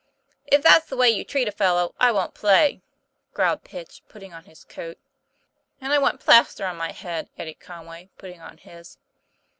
" If that's the way you treat a fellow, I won't play," growled Pitch, putting on his coat. "And I want plaster for my head," added Con way, putting on his.